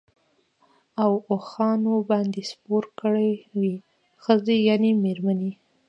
او اوښانو باندي سپور کړی وې، ښځي يعني ميرمنې